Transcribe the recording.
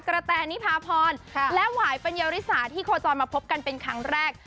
แตนิพาพรและหวายปัญญาริสาที่โคจรมาพบกันเป็นครั้งแรก